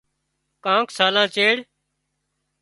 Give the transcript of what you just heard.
ڪانڪ سالان چيڙ